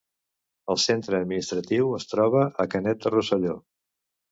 El centre administratiu es troba a Canet de Rosselló.